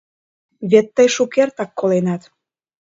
Вет тый шукертак коленат!